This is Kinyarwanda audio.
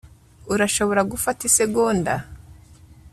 Urashobora gufata isegonda